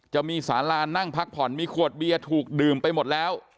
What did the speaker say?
จะมีสารานั่งพักผ่อนมีขวดเบียร์ถูกดื่มไปหมดแล้ว